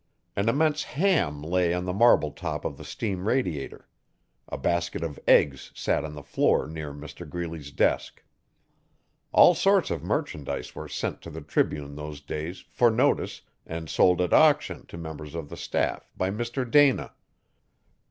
An immense ham lay on the marble top of the steam radiator; a basket of eggs sat on the floor near Mr Greeley's desk All sorts of merchandise were sent to the Tribune those days, for notice, and sold at auction, to members of the staff, by Mr Dana.